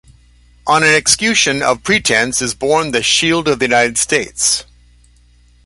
On an escutcheon of pretence is borne the shield of the United States.